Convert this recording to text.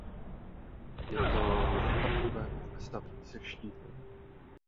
Je to jednopatrové volné stavení se štítem.